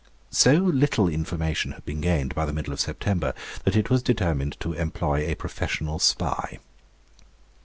So little information had been gained by the middle of September, that it was determined to employ a professional spy.